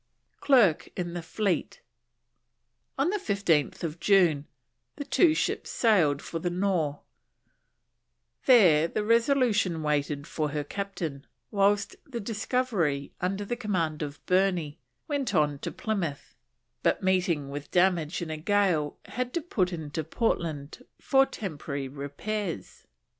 CLERKE IN THE FLEET. On 15th June the two ships sailed for the Nore; there the Resolution waited for her Captain, whilst the Discovery, under the command of Burney, went on to Plymouth, but, meeting with damage in a gale, had to put into Portland for temporary repairs.